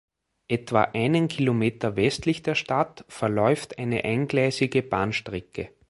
Etwa einen Kilometer westlich der Stadt verläuft eine eingleisige Bahnstrecke.